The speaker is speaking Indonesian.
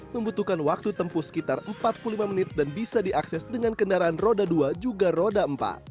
membutuhkan waktu tempuh sekitar empat puluh lima menit dan bisa diakses dengan kendaraan roda dua juga roda empat